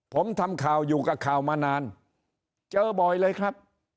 ผมทำข่าวอยู่กับข่าวมานานเจอบ่อยเลยครับ